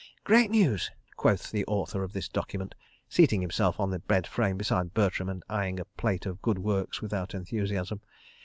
"Great news," quoth the author of this document, seating himself on the bed frame beside Bertram and eyeing a plate of Good Works without enthusiasm.